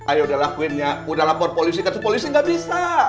ayo udah lakuinnya udah lapor polisi kasih polisi gak bisa